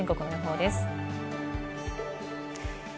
では全国の予報です。